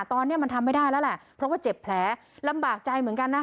ตอนนี้มันทำไม่ได้แล้วแหละเพราะว่าเจ็บแผลลำบากใจเหมือนกันนะ